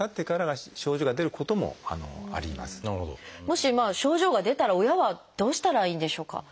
もし症状が出たら親はどうしたらいいんでしょうか？